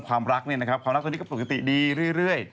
ความรักเนี่ยนะครับความรักตอนนี้ก็ปกติดีเรื่อย